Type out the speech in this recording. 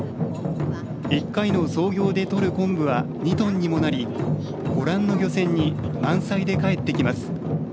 １回の操業でとるコンブは２トンにもなりご覧の漁船に満載で帰ってきます。